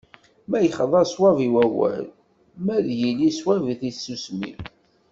Ma yexḍa sswab i wawal, ma ad yili sswab di tsusmi.